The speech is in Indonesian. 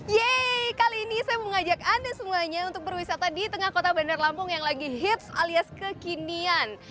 yeay kali ini saya mau ngajak anda semuanya untuk berwisata di tengah kota bandar lampung yang lagi hits alias kekinian